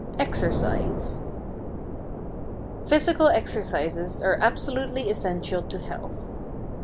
Exercise Physical exercises are absolutely essential to health.